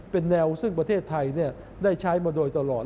เป็นแนวซึ่งประเทศไทยได้ใช้มาโดยตลอด